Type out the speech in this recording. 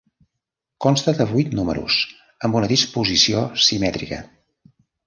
Consta de vuit números amb una disposició simètrica.